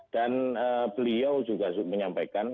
dan beliau juga menyampaikan